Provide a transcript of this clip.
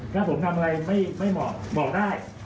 ถ้าผมทำอะไรไม่เหมาะบอกได้